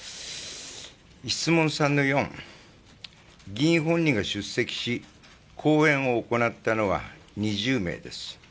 質問３の、議員本人が出席し、講演を行ったのは２０名です。